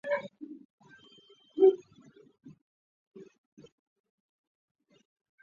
描绘的是夕阳西下时看到红蜻蜓而产生思乡之情的场景。